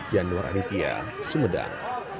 januar aditya sumedang